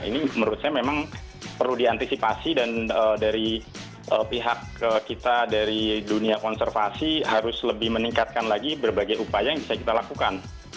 ini menurut saya memang perlu diantisipasi dan dari pihak kita dari dunia konservasi harus lebih meningkatkan lagi berbagai upaya yang bisa kita lakukan